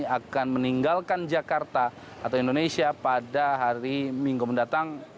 akan meninggalkan jakarta atau indonesia pada hari minggu mendatang